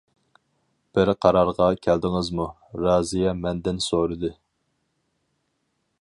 «بىر قارارغا كەلدىڭىزمۇ؟ » رازىيە مەندىن سورىدى.